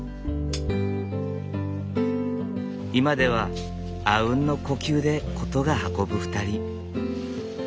今ではあうんの呼吸で事が運ぶ２人。